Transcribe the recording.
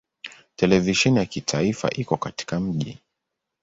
Televisheni ya kitaifa iko katika mji.